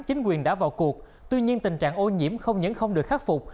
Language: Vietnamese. chính quyền đã vào cuộc tuy nhiên tình trạng ô nhiễm không những không được khắc phục